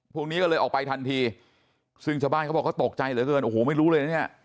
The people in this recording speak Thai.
พวกนี้ก็เลยออกไปทันทีซึ่งชาวบ้านเขาบอกเขาตกใจเหลือเกินโอ้โหไม่รู้เลยนะเนี่ย